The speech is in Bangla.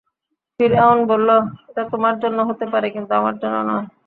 ফিরআউন বলল, এটা তোমার জন্যে হতে পারে, কিন্তু আমার জন্যে নয়।